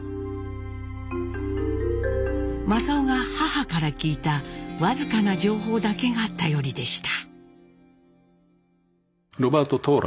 正雄が母から聞いた僅かな情報だけが頼りでした。